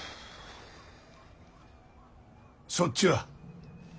そっちは。